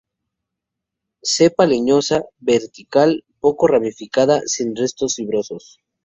Cepa leñosa, vertical, poco ramificada, sin restos fibrosos.